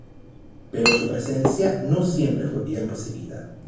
Pero su presencia no fue siempre bien recibida.